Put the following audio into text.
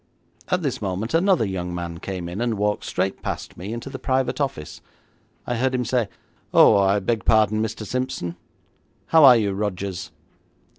At this moment another young man came in, and walked straight past me into the private office. I heard him say, 'Oh, I beg pardon, Mr. Simpson. How are you, Rogers?'